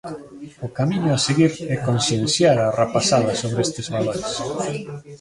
O camiño a seguir é concienciar a rapazada sobre estes valores.